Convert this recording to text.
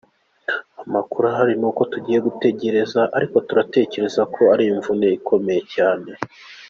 Amakuru ahari ni uko tugiye gutegereza, ariko turatekereza ko ari imvune ikomeye cyane".